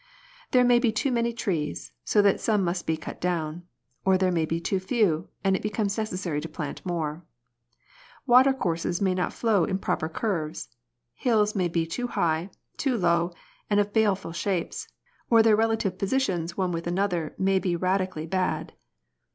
There may be too many trees, so that some must be cut down ; or there may be too few, and it becomes necessary to plant more. Water courses may not flow in proper curves ; hills may be too high, too low, and of baleful shapes, or their relative positions one with another may be radi cally bad.